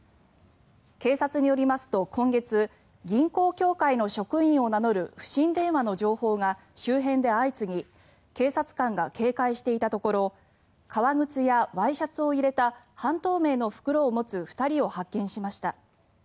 警察によりますと今月銀行協会の職員を名乗る不審電話の情報が周辺で相次ぎ警察官が警戒していたところ革靴やワイシャツを入れた半透明の袋を持つ２人を発見しました。